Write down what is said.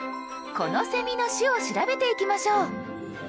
このセミの種を調べていきましょう。